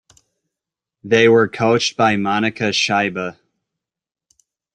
They were coached by Monika Scheibe.